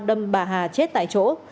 đâm bà hà chết tại chỗ